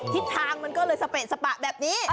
ทิศทางมันก็เลยสเปะสปะแบบนี้